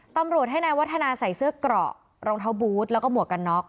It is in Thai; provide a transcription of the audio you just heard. ตำรวจให้นายวัฒนาใส่เสื้อเกราะรองเท้าบูธแล้วก็หมวกกันน็อก